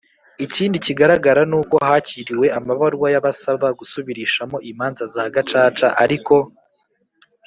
Ikindi kigaragara n uko hakiriwe amabaruwa y abasaba gusubirishamo imanza za Gacaca ariko